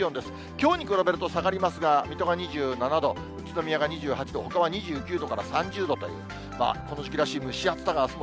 きょうに比べると下がりますが、水戸が２７度、宇都宮が２８度、ほかは２９度から３０度という、この時期らしい蒸し暑さがあすも